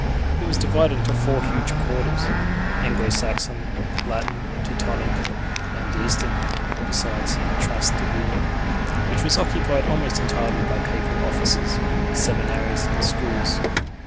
It was divided into four huge quarters Anglo Saxon, Latin, Teutonic and Eastern besides Trastevere, which was occupied almost entirely by Papal offices, seminaries, and schools.